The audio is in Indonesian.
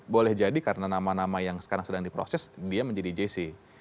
boleh jadi karena nama nama yang sekarang sedang diproses dia menjadi jc